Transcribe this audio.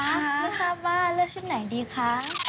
ลูกค้าว่าเลือกชื่นไหนดีคะ